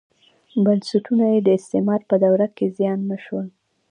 بنسټونه یې د استعمار په دوره کې زیان نه شول.